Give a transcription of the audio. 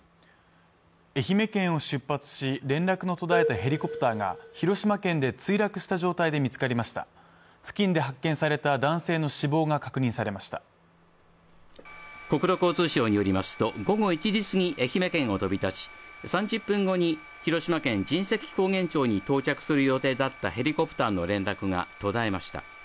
愛媛県を出発し連絡の途絶えたヘリコプターが広島県で墜落した状態で見つかりました付近で発見された男性の死亡が確認されました国土交通省によりますと午後１時過ぎ愛媛県を飛び立ち３０分後に広島県神石高原町に到着する予定だったヘリコプターの連絡が途絶えました